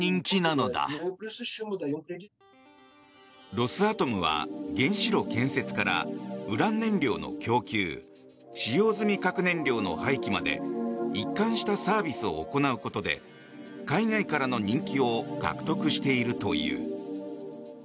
ロスアトムは原子炉建設からウラン燃料の供給使用済み核燃料の廃棄まで一貫したサービスを行うことで海外からの人気を獲得しているという。